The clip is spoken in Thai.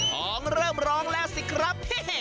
ของเริ่มร้องแล้วสิครับ